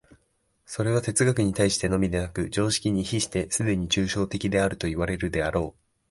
それは哲学に対してのみでなく、常識に比してすでに抽象的であるといわれるであろう。